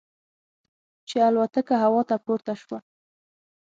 چې الوتکه هوا ته پورته شوه.